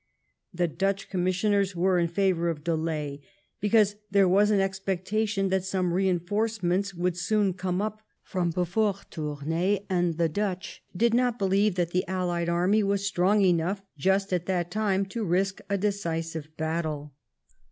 The Dutch Com missioners were in favour of delay, because there was an expectation that some reinforcements would soon come up from before Tournay and the Dutch did not believe that the allied army was strong enough, just at that time, to risk a decisive battle.